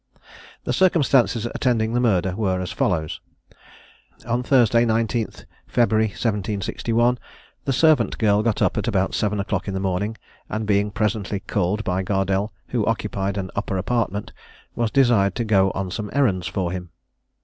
The circumstances attending the murder were as follow: On Thursday, 19th February 1761, the servant girl got up at about seven o'clock in the morning, and being presently called by Gardelle, who occupied an upper apartment, was desired to go on some errands for him.